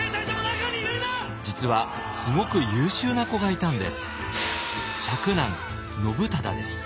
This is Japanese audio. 実はすごく優秀な子がいたんです。